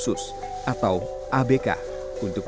sebagai pusat kegiatan belajar masyarakat inklusif